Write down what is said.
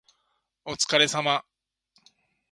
お疲れ様